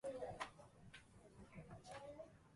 子供部屋の異様な冷気